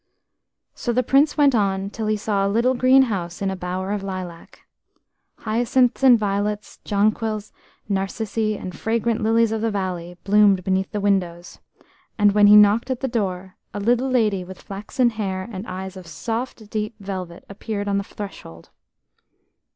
So the Prince went on till he saw a little green house in a bower of lilac. Hyacinths and violets, jonquils, narcissi, and fragrant lilies of the valley bloomed beneath the windows, and, when he knocked at the door, a little lady with flaxen hair, and eyes of soft deep violet, appeared on the threshold.